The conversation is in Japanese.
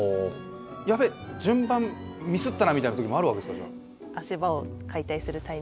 やべっ順番ミスったなみたいなときもあるわけですかじゃあ。